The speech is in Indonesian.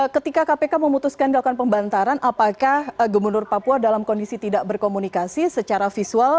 ketika kpk memutuskan dilakukan pembantaran apakah gubernur papua dalam kondisi tidak berkomunikasi secara visual